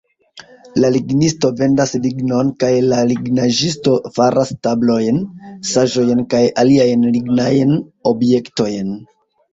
La lignisto vendas lignon, kaj la lignaĵisto faras tablojn, seĝojn kaj aliajn lignajn objektojn.